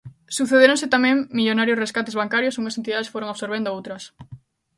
Sucedéronse tamén millonarios rescates bancarios e unhas entidades foron absorbendo outras.